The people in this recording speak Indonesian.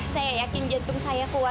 saya yakin jantung saya akan berjaya